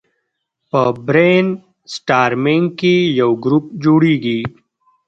په برین سټارمینګ کې یو ګروپ جوړیږي.